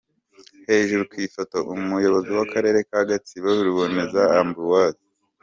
Hejuru ku ifoto:Umuyobozi w’akarere ka Gatsibo Ruboneza Ambroise.